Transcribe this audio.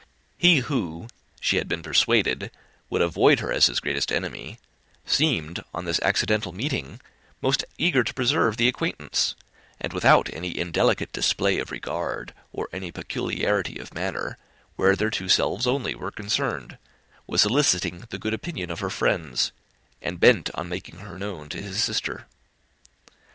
He who, she had been persuaded, would avoid her as his greatest enemy, seemed, on this accidental meeting, most eager to preserve the acquaintance; and without any indelicate display of regard, or any peculiarity of manner, where their two selves only were concerned, was soliciting the good opinion of her friends, and bent on making her known to his sister.